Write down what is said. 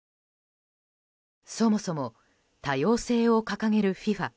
そもそも多様性を掲げるＦＩＦＡ